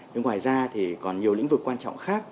ngoài ra còn nhiều lĩnh vực quan trọng khác